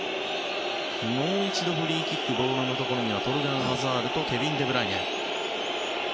もう一度フリーキックボールのところにはトルガン・アザールとケビン・デブライネ。